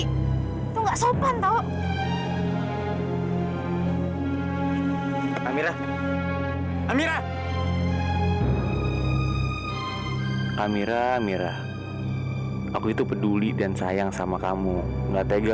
itu nggak sopan tahu amira amira amira amira aku itu peduli dan sayang sama kamu nggak tega